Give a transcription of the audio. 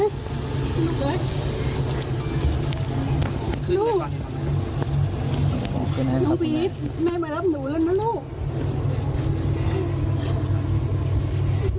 ลูกน้องพีชแม่มารับหนูแล้วนะลูก